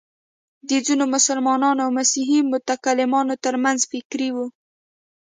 د ځینو مسلمانو او مسیحي متکلمانو تر منځ فکري وه.